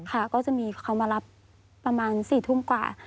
ค่ะก็จะมีเขามารับประมาณ๔ทุ่มกว่า